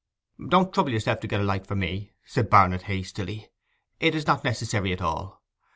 'Don't trouble yourself to get a light for me,' said Barnet hastily; 'it is not necessary at all.